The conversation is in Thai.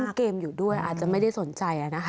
เกมอยู่ด้วยอาจจะไม่ได้สนใจนะคะ